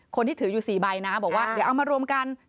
คนที่ถืออยู่๔ใบนะบอกว่าเดี๋ยวเอามารวมกัน